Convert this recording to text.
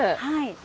はい。